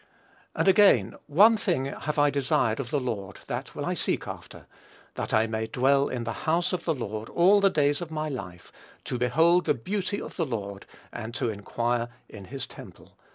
And again, "One thing have I desired of the Lord, that will I seek after; that I may dwell in the house of the Lord all the days of my life, to behold the beauty of the Lord, and to inquire in his temple."